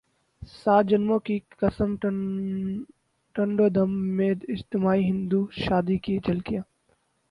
سات جنموں کی قسم ٹنڈو دم میں اجتماعی ہندو شادی کی جھلکیاں